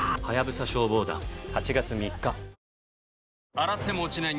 洗っても落ちない